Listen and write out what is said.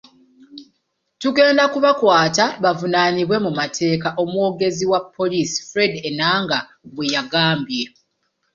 'Tugenda kubakwata bavunaanibwe mu mateeka.” omwogezi wa Poliisi Fred Ennanga bwe yagambye.